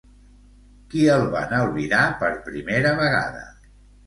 Qui el van albirar per primera vegada?